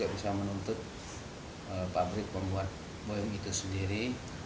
kita bisa menuntut pabrik membuat boeing itu sendiri